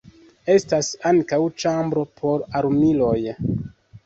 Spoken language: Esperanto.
Estas ankaŭ ĉambro por armiloj.